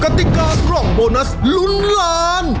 ติกากล่องโบนัสลุ้นล้าน